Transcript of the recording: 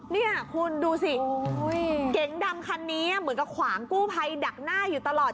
นี่คุณดูสิเก๋งดำคันนี้เหมือนกับขวางกู้ภัยดักหน้าอยู่ตลอด